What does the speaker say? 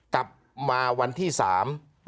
กลับมาวันที่สาม